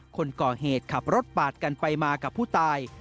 คนก่อเหตุขับรถปาดกันไปมากับผู้ตาย